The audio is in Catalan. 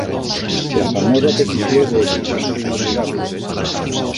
La famosa petició de Lliçons inoblidables!